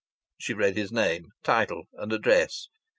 She read his name, title and address.